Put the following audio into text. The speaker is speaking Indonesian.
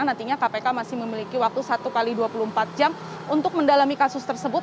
terkait dengan kasus apa karena nantinya kpk masih memiliki waktu satu x dua puluh empat jam untuk mendalami kasus tersebut